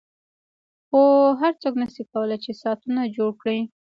خو هر څوک نشي کولای چې ساعتونه جوړ کړي